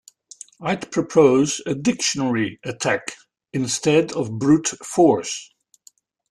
I'd propose a dictionary attack instead of brute force.